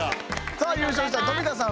さあ優勝した富田さん